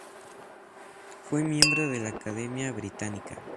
Fue miembro de la Academia Británica.